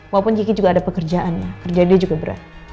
walaupun jiki juga ada pekerjaannya kerja dia juga berat